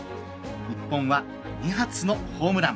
日本は２発のホームラン。